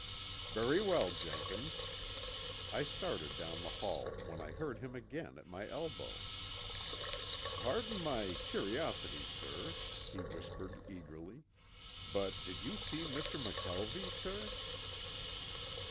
"Very well, Jenkins." I started down the hall when I heard him again at my elbow. "Pardon my curiosity, sir," he whispered eagerly, "but did you see Mr. McKelvie, sir?"